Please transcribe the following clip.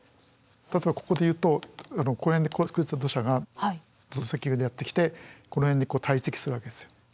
例えばここでいうとここら辺で崩れた土砂が土石流でやって来てこの辺に堆積するわけですよ。